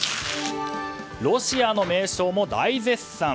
ロシアの名将も大絶賛。